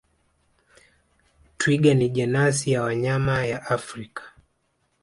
Twiga ni jenasi ya wanyama ya Afrika